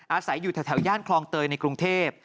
อาศัยอยู่แถวย่านคลองเตยในกรุงเทพ